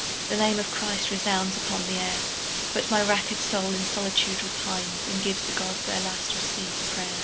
The name of Christ resounds upon the air. But my wrack'd soul in solitude repines And gives the Gods their last receivèd pray'r.